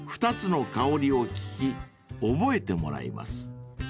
２つの香りを聞き覚えてもらいます］